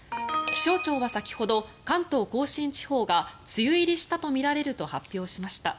気象庁は先ほど関東・甲信地方が梅雨入りしたとみられると発表しました。